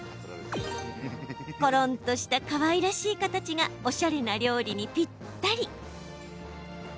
コロンとしたかわいらしい形がおしゃれな料理にぴったり！